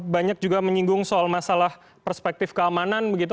banyak juga menyinggung soal masalah perspektif keamanan begitu